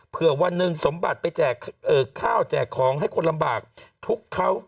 เพื่อวันหนึ่งสมบัติไปแจกข้าวแจกของให้คนลำบากทุกข์เขา